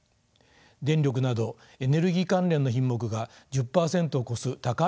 電力などエネルギー関連の品目が１０％を超す高い伸びとなっています。